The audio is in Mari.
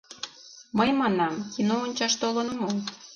Мый, — манам, — кино ончаш толын омыл.